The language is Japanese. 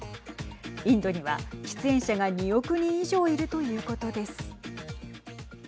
インドには喫煙者が２億人以上いるということです。